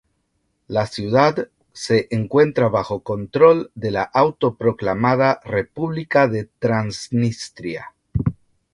La ciudad se encuentra bajo control de la autoproclamada república de Transnistria.